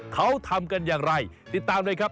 เขาทำกันอย่างไรติดตามเลยครับ